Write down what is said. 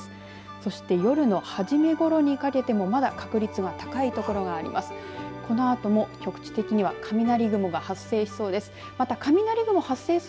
そして、夜の初めごろにかけてもまだ、確率が高い所があります。